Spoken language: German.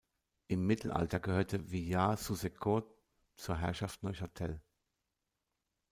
Im Mittelalter gehörte Villars-sous-Écot zur Herrschaft Neuchâtel.